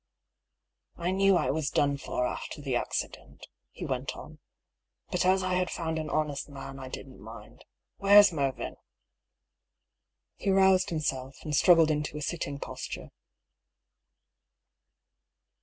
" I knew I was done for after the accident," he went on ;^' but as I had found an honest man I didn't mind. Where's Mervyn ?" He roused himself, and struggled into a sitting posture.